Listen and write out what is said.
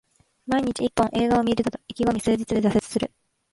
毎日一本、映画を観るぞと意気込み数日で挫折する